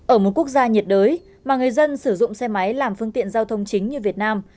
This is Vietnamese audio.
ở một quốc gia nhiệt đới mà người dân sử dụng xe máy làm phương tiện giao thông chính như việt nam